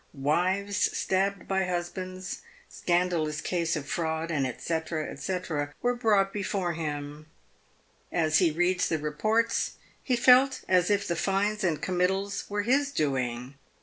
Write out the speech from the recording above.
Wives stabbed by husbands, scandalous case of fraud, &c. &c, were brought before him. As he read the reports, he felt as if the fines and committals were his doing.